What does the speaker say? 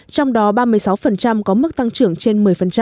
trong đó ba mươi sáu có mức tăng trưởng trên một mươi